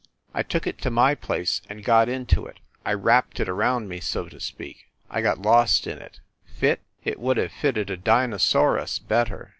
I took it to my place and got into it I wrapped it around me, so to speak I got lost in it. Fit ? It would have fitted a Dino saurus better.